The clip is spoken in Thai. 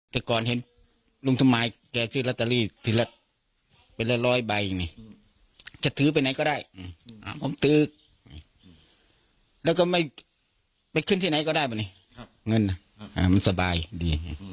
แต่ก่อนเห็นลุงสมายแกซื้อละตารีทีละเป็นละร้อยใบจะถือไปไหนก็ได้ผมถือกแล้วก็ไม่ขึ้นที่ไหนก็ได้มันสบายดี